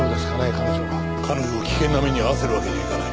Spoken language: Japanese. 彼女を危険な目に遭わせるわけにはいかない。